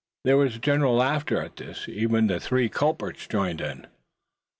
There was a general laugh at this, even the three culprits joining in.